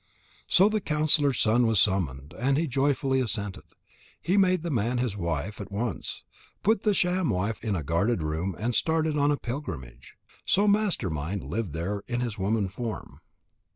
So the counsellor's son was summoned, and he joyfully assented. He made the man his wife at once, put the sham wife in a guarded room and started on a pilgrimage. So Master mind lived there in his woman form.